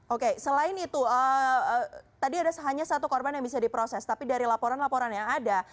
oke selain itu tadi ada hanya satu korban yang bisa diproses tapi dari laporan laporan yang ada